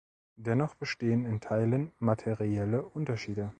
Dennoch bestehen in Teilen materielle Unterschiede.